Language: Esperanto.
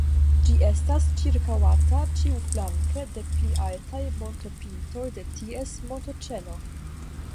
Ĝi estas ĉirkaŭata ĉiuflanke de pli altaj montopintoj de ties montoĉeno.